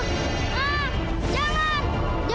saya akan memberkannya